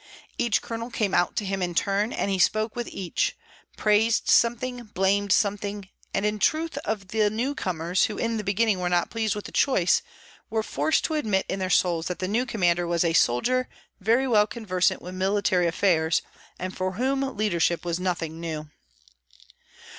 Each colonel came out to him in turn, and he spoke with each, praised something, blamed something; and in truth those of the new comers who in the beginning were not pleased with the choice were forced to admit in their souls that the new commander was a soldier very well conversant with military affairs, and for whom leadership was nothing new.